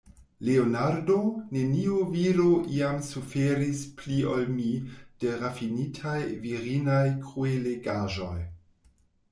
Leonardo, neniu viro iam suferis pli ol mi de rafinitaj virinaj kruelegaĵoj.